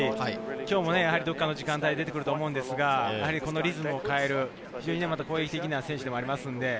今日もどこかの時間帯で出てくると思うんですが、リズムを変える攻撃的な選手でもあまります。